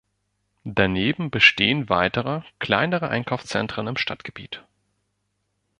Daneben bestehen weitere, kleine Einkaufszentren im Stadtgebiet.